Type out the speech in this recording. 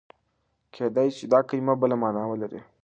کېدای شي دا کلمه بله مانا ولري.